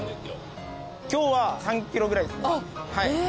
今日は３キロぐらいですね。